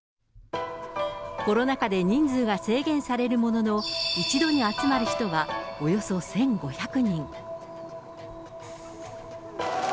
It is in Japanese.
コロナ禍で人数が制限されるものの、一度に集まる人はおよそ１５００人。